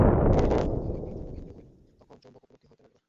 মনে কর, আমাদের একটি চৌম্বক ইন্দ্রিয় হইল, তখন চৌম্বক উপলব্ধি হইতে লাগিল।